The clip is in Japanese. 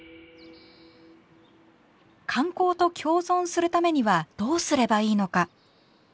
観光と共存するためにはどうすればいいのか。